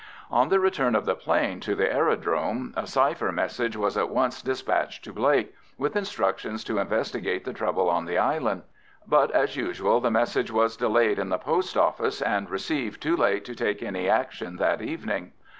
On the return of the 'plane to the aerodrome a cipher message was at once despatched to Blake, with instructions to investigate the trouble on the island; but, as usual, the message was delayed in the post office, and received too late to take any action that evening.